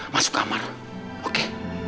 masuk kamar oke